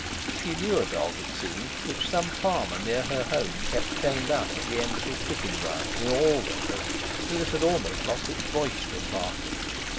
She knew a dog, it seemed, which some farmer near her home kept chained up at the end of his chicken run, in all weathers, till it had almost lost its voice from barking!